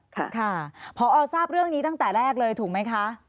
ค่ะค่ะพอทราบเรื่องนี้ตั้งแต่แรกเลยถูกไหมคะ